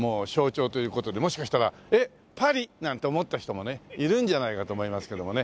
もしかしたら「えっパリ？」なんて思った人もねいるんじゃないかと思いますけどもね。